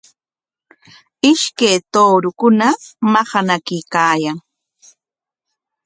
Ishkay tuurukuna maqanakuykaayan.